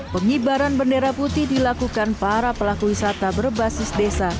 pengibaran bendera putih dilakukan para pelaku wisata berbasis desa